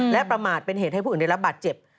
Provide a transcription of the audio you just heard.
และประมาทเป็นเหตุให้ผู้อื่นได้รับบาดเจ็บ